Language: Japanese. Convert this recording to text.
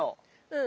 うん。